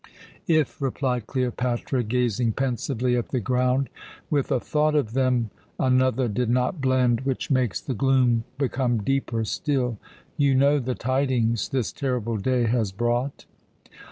"If," replied Cleopatra, gazing pensively at the ground, "with a thought of them another did not blend which makes the gloom become deeper still. You know the tidings this terrible day has brought?"